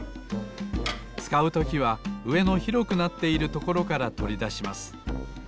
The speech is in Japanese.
つかうときはうえの広くなっているところからとりだします。